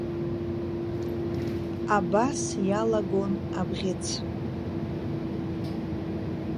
Абас иалагон абӷьыц.